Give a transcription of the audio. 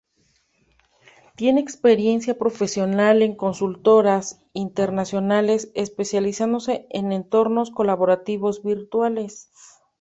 Tiene experiencia profesional en consultoras internacionales, especializándose en entornos colaborativos virtuales.